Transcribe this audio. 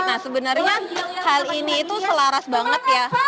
nah sebenarnya hal ini itu selaras banget ya